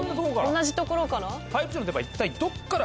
同じところから？